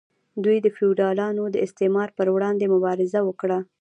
دوی د فیوډالانو د استثمار پر وړاندې مبارزه وکړه.